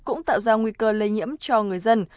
cũng tạo ra nguy cơ lây nhiễm cho người dân